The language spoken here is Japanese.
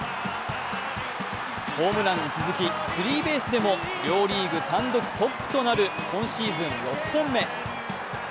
ホームランに続き、スリーベースでも両リーグ単独トップとなる今シーズン６本目。